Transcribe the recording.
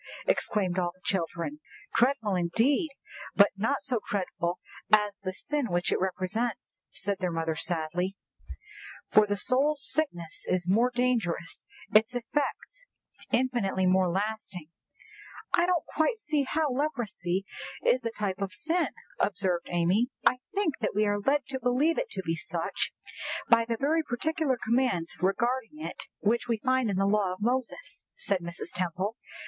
exclaimed all the children. "Dreadful indeed, but not so dreadful as the sin which it represents," said their mother sadly; "for the soul's sickness is more dangerous, its effects infinitely more lasting." "I don't quite see how leprosy is a type of sin," observed Amy. "I think that we are led to believe it to be such by the very particular commands regarding it which we find in the law of Moses," said Mrs. Temple.